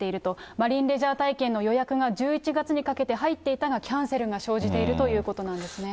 マリンレジャー体験の予約が１１月にかけて入っていたがキャンセルが生じているということなんですね。